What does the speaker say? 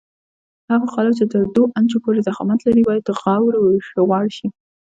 هغه قالب چې تر دوه انچو پورې ضخامت لري باید غوړ شي.